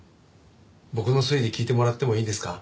僕の推理聞いてもらってもいいですか？